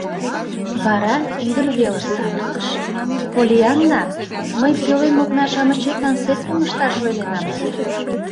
— Вара ӱдыр велыш савырныш: — Поллианна, мый пӧлем окна-шамычетлан сеткым ышнаш ойленам.